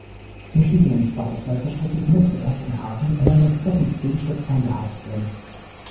Zum Schließen eines Butterfly-Verschlusses muss zuerst ein Haken in ein entsprechendes Gegenstück eingehakt werden.